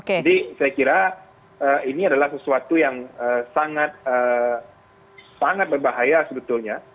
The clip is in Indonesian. jadi saya kira ini adalah sesuatu yang sangat berbahaya sebetulnya